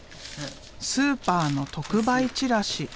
スーパーの特売チラシ。